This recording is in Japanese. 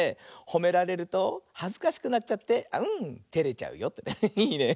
ほめられるとはずかしくなっちゃってテレちゃうよってね。